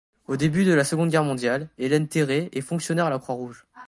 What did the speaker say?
Au début de la Seconde Guerre mondiale, Hélène Terré est fonctionnaire à la Croix-rouge.